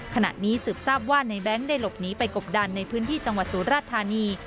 ขณะนี้สืบทราบว่าในแบงค์ได้หลบหนีไปกบดันในพื้นที่จังหวัดสุราธานี